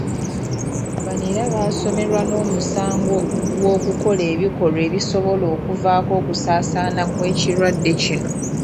Bano era basoomerwa n'omusango gw'okukola ebikolwa ebisobola okuvaako okusaasaana kw'ekirwadde kino.